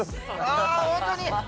あー、本当に。